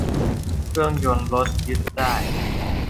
เครื่องยนต์รถยึดได้